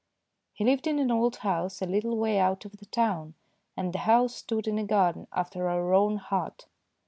He lived in an old house a little way out of the town, and the house stood in a garden after our own heart.